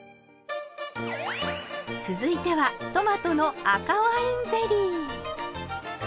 続いてはトマトの赤ワインゼリー。